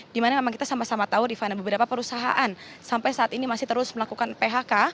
dimana memang kita sama sama tahu rifana beberapa perusahaan sampai saat ini masih terus melakukan phk